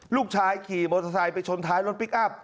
ลูกชายขี่มอเตอร์ไซค์ไปชนท้ายรถพลิกอัพ